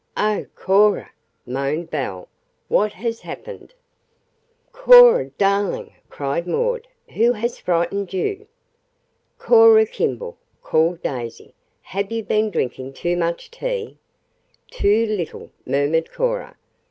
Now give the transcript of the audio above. "Oh, Cora!" moaned Belle. "What has happened?" "Cora, darling," cried Maud, "who has frightened you?" "Cora Kimball," called Daisy, "have you been drinking too much tea?" "Too little," murmured Cora.